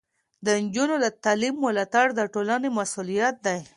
د نجونو د تعلیم ملاتړ د ټولنې مسؤلیت دی.